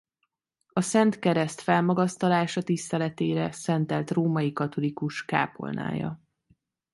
A Szent Kereszt felmagasztalása tiszteletére szentelt római katolikus kápolnája.